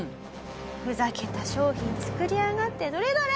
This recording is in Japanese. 「ふざけた商品作りやがってどれどれ？」。